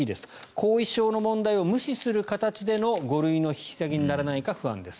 後遺症の問題を無視する形での５類の引き下げにならないか不安です。